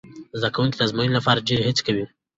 زده کوونکي د ازموینې لپاره ډېره هڅه کوي.